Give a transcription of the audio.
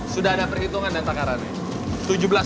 sudah ada perhitungan dan takarannya